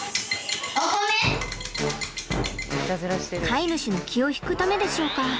飼い主の気を引くためでしょうか？